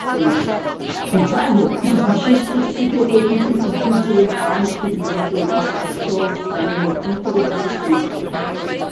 যাইহোক কিছু বিশেষ একচেটিয়া প্রকৃতির উদ্ভিদ যেমন পাম, খেজুর জাতীয় গাছে কাষ্ঠল অংশ কাণ্ডের অভ্যন্তরের দিকে ছড়িয়ে ছিটিয়ে থাকে।